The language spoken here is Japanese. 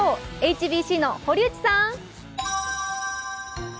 ＨＢＣの堀内さん。